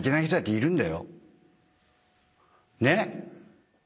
ねっ？